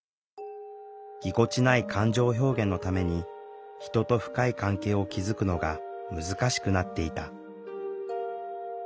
ぎこちない感情表現のために人と深い関係を築くのが難しくなっていた。